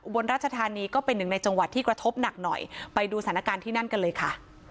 บนราชธานีก็เป็นหนึ่งในจังหวัดที่กระทบหนักหน่อยไปดูสถานการณ์ที่นั่นกันเลยค่ะ